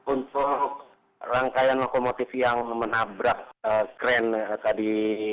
untuk rangkaian lokomotif yang menabrak kren tadi